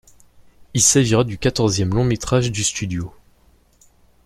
Il s'agira du quatorzième long métrage du studio.